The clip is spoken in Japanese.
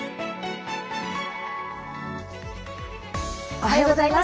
おはようございます。